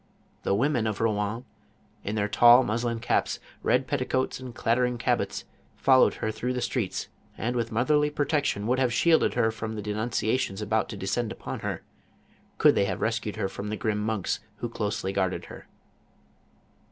The women of Rouen, in their tall muslin caps, red petticoats and clattering cabots, followed her through the streets, and with motherly protection would have shielded her from the denunciations about to descend upon her, could they have rescued her from the grim monks who closely guarded her.